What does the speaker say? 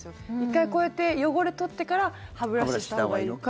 １回、こうやって汚れ取ってから歯ブラシしたほうがいいのか。